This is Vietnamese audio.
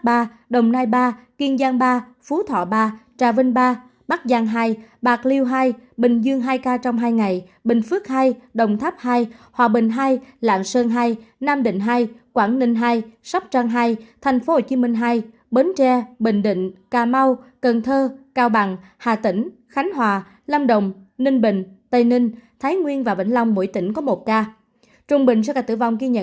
số bệnh nhân nặng đang điều trị khỏi là bốn một trăm linh ba ca trong đó thở oxy qua mặt nạ là ba hai trăm chín mươi một ca thở máy xâm lớn một trăm hai mươi ba ca thở máy xâm lớn một trăm ba mươi ba ca thành phố hai bắc giang hai bạc liêu hai bình dương hai ca trong hai ngày bình phước hai đồng tháp hai hòa bình hai lạng sơn hai nam định hai quảng ninh hai sắp trang hai thành phố hồ chí minh hai bến tre bình định cà mau cần thơ cao bằng hà tĩnh khánh hòa lâm đồng ninh bình tây ninh thái nguyên và vĩnh long mỗi tỉnh có một ca